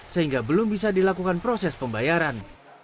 sehingga belum bisa dilakukan proses pembayaran